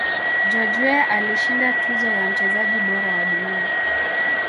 george Weah alishinda tuzo ya mchezaji bora wa dunia